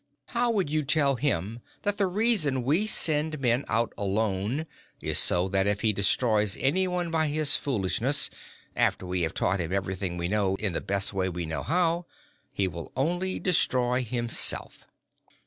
How would you tell him that the reason we send men out alone is so that if he destroys anyone by his foolishness after we have taught him everything we know in the best way we know how he will only destroy himself?"